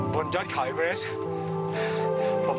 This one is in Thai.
สวัสดีครับทุกคน